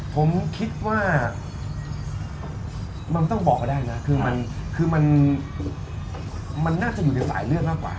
ผมคิดว่ามันน่าจะอยู่ในสายเลือดมากกว่า